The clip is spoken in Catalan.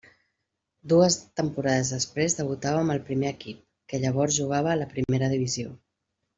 Dues temporades després debutava amb el primer equip, que llavors jugava a la Primera divisió.